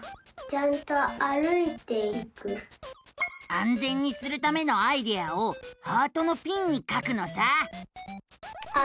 あんぜんにするためのアイデアをハートのピンに書くのさ。